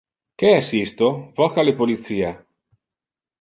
Que es isto? Voca le policia.